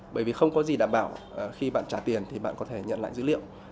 bởi vì không có gì đảm bảo khi bạn trả tiền thì bạn có thể nhận lại dữ liệu